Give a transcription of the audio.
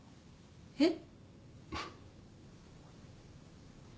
えっ？